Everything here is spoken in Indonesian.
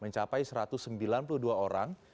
mencapai satu ratus sembilan puluh dua orang